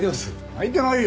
泣いてないよ！